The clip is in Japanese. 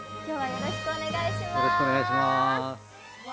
よろしくお願いします。